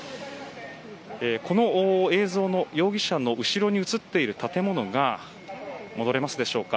この映像の容疑者の後ろに映っている建物が戻れますでしょうか。